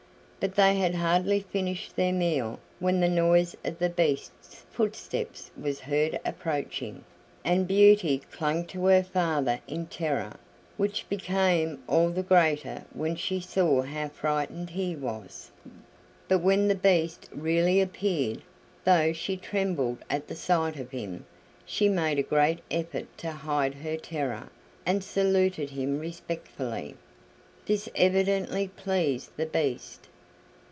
But they had hardly finished their meal when the noise of the Beast's footsteps was heard approaching, and Beauty clung to her father in terror, which became all the greater when she saw how frightened he was. But when the Beast really appeared, though she trembled at the sight of him, she made a great effort to hide her terror, and saluted him respectfully. This evidently pleased the Beast.